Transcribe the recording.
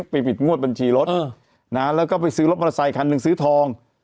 ไปปิดงวดบัญชีรถแล้วก็ไปซื้อรถมอเตอร์ไซคันหนึ่งซื้อทอง